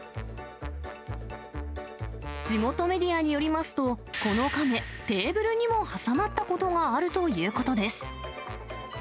地元メディアによりますと、この亀、テーブルにも挟まったことがあるということです。